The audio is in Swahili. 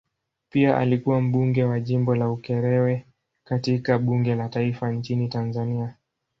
Pia alikuwa mbunge wa jimbo la Ukerewe katika bunge la taifa nchini Tanzania.